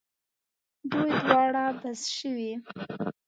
دوی دواړو بس شوې.